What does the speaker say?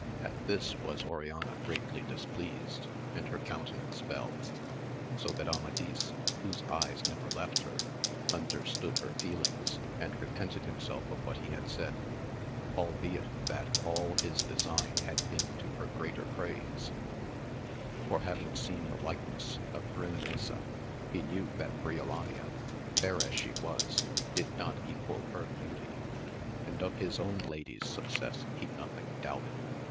At this was Oriana greatly displeased, and her countenance fell, so that Amadis, whose eyes never left her, understood her feelings, and repented him of what he had said, albeit that all his design had been to her greater praise, for having seen the likeness of Grimanesa he knew that Briolania, fair as she was, did not equal her beauty, and of his own lady's success he nothing doubted.